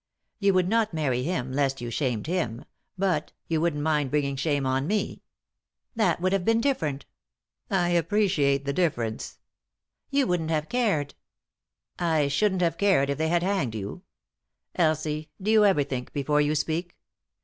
You would not marry him, lest you shamed him, but — you wouldn't mind bringing shame on me." "That would nave been different" " I appreciate the difference." "You wouldn't have cared." " I shouldn't have cared if they bad hanged you ? Elsie, do you ever think before you speak